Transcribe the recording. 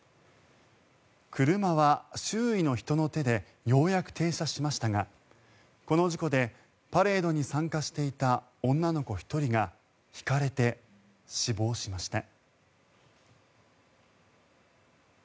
車は周囲の人の手でようやく停車しましたがこの事故でパレードに参加していた女の子１人がひかれて死亡しました。